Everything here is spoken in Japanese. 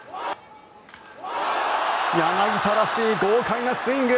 柳田らしい豪快なスイング。